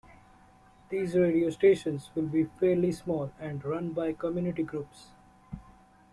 These radio stations will be fairly small and run by community groups.